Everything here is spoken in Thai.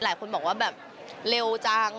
หลายคนบอกว่าแบบเร็วจัง